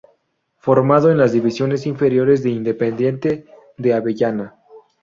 Formado en las Divisiones Inferiores de Independiente de Avellaneda.